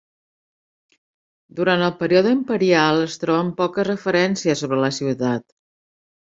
Durant el període imperial es troben poques referències sobre la ciutat.